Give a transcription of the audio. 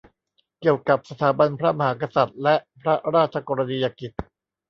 เกี่ยวกับสถาบันพระมหากษัตริย์และพระราชกรณียกิจ